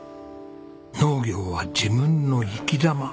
農業は自分の生きざま。